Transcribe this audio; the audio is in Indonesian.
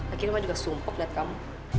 akhirnya ma juga sumpok liat kamu